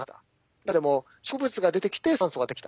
だけども植物が出てきて酸素ができた。